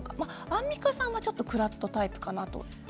アンミカさんはクラッとタイプかなと。